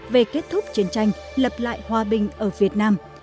về kết thúc chiến tranh lập lại hòa bình ở việt nam